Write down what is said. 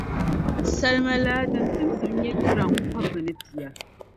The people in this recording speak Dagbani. salima laa din tibisim nyɛ giram kɔbiga ni pia.